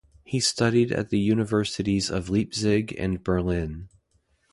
He studied at the universities of Leipzig and Berlin.